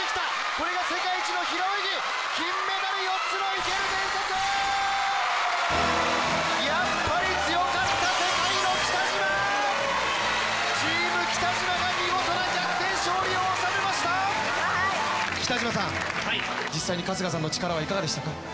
これが世界一の平泳ぎ金メダル４つの生ける伝説やっぱり強かった世界の北島チーム北島が見事な逆転勝利を収めました北島さんはい実際に春日さんの力はいかがでしたか？